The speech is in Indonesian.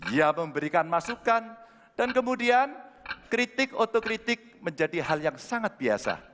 ia memberikan masukan dan kemudian kritik otokritik menjadi hal yang sangat biasa